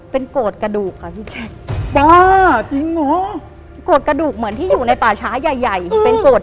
เป็นโกตกระดูกค่ะอี่แชท